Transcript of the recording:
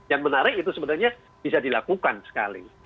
yang menarik itu sebenarnya bisa dilakukan sekali